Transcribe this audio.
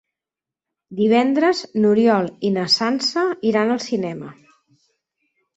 Divendres n'Oriol i na Sança iran al cinema.